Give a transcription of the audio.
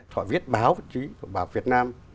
họ viết báo chí bảo việt nam